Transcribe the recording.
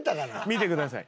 見てください。